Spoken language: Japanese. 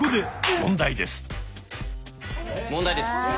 問題です。